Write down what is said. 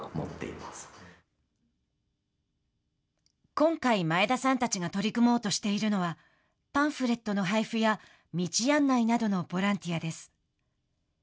今回、前田さんたちが取り組もうとしているのはパンフレットの配布や道案内などのボランティアです。